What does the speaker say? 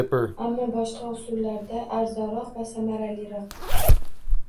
Ammo boshqa usullarda - arzonroq va samaraliroq